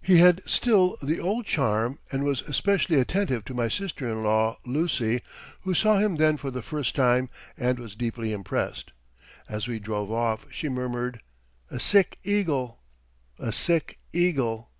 He had still the old charm and was especially attentive to my sister in law, Lucy, who saw him then for the first time and was deeply impressed. As we drove off, she murmured, "A sick eagle! A sick eagle!"